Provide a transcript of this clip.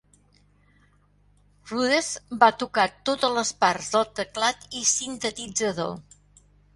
Rudess va tocar totes les parts de teclat i sintetitzador.